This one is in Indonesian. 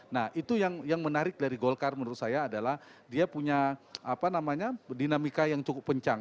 nah itu yang menarik dari golkar menurut saya adalah dia punya dinamika yang cukup pencang